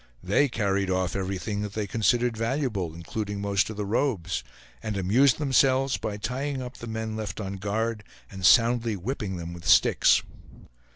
They carried off everything that they considered valuable, including most of the robes; and amused themselves by tying up the men left on guard and soundly whipping them with sticks.